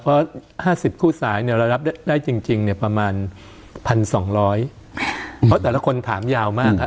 เพราะ๕๐คู่สายเนี่ยเรารับได้จริงเนี่ยประมาณ๑๒๐๐เพราะแต่ละคนถามยาวมากครับ